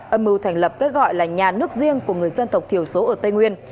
âm mưu thành lập cái gọi là nhà nước riêng của người dân tộc thiểu số ở tây nguyên